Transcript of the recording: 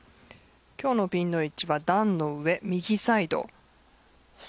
今日のピンの位置は段の上、右サイド。